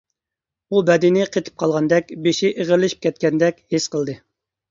ئۇ بەدىنى قېتىپ قالغاندەك، بېشى ئېغىرلىشىپ كەتكەندەك ھېس قىلدى.